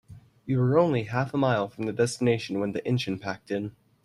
We were only half a mile from the destination when the engine packed in.